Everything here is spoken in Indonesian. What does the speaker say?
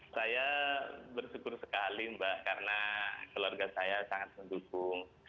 saya bersyukur sekali mbak karena keluarga saya sangat mendukung